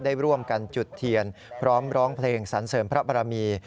ได้ร่วมกันจุดเทียนพร้อมร้องเพลงสรรเสริมพระบรมี